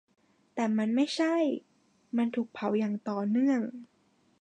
แต่มันไม่ใช่ : มันถูกเผาอย่างต่อเนื่อง